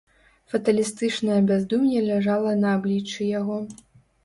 Фаталістычнае бяздум'е ляжала на абліччы яго.